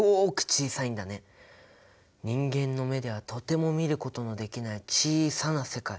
人間の目ではとても見ることのできない小さな世界。